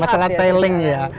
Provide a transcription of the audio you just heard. masalah tailing ya